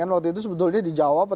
kan waktu itu sebetulnya dijawab saja